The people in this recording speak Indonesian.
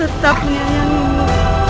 kau tetap menyayangimu